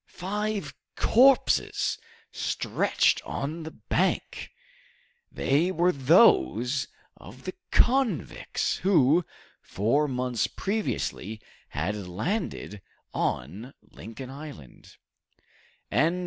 Five corpses, stretched on the bank! They were those of the convicts who, four months previously, had landed on Lincoln Island!